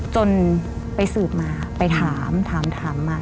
จนไปสืบมาไปถามถามมา